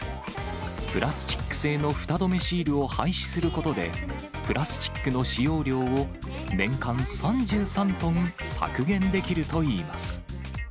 プラスチック製のフタ止めシールを廃止することで、プラスチックの使用量を、年間３３トン削減できるといいます。